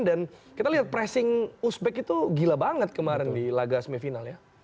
dan kita lihat pressing uzbek itu gila banget kemarin di laga semifinal ya